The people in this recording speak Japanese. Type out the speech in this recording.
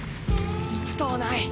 藤内。